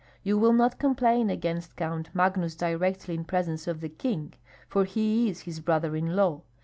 You will not complain against Count Magnus directly in presence of the king, for he is his brother in law.